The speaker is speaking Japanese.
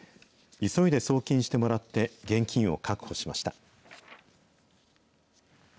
急いで送金してもらって、現金を確保しました。